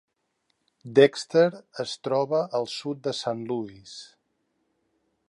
Dexter es troba al sud de Saint Louis.